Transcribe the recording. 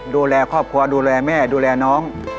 ดูแลครอบครัวดูแลแม่ดูแลน้อง